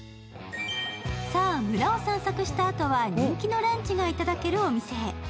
さあ、村を散策したあとは、人気のランチがいただけるお店へ。